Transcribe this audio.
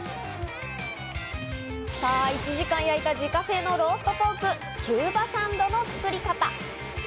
さぁ１時間焼いた自家製のローストポーク、キューバサンドの作り方。